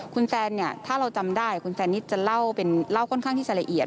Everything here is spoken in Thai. คุณแซนเนี่ยถ้าเราจำได้คุณแซนนิดจะเล่าเป็นเล่าค่อนข้างที่จะละเอียด